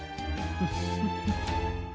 フフフ。